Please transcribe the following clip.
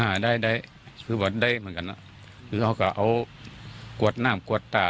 ได้ได้คือว่าได้เหมือนกันอ่ะคือเขาก็เอากวดน้ำกวดตา